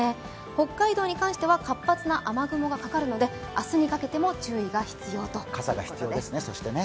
北海道に関しては活発な雨雲がかかるので明日にかけても注意が必要ということです。